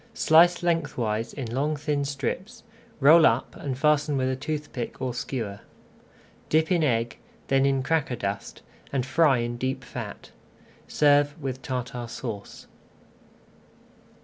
Slice lengthwise in long thin strips, roll up and fasten with a toothpick or skewer. Dip in egg, then in cracker dust, and fry in deep fat. Serve with Tartar Sauce.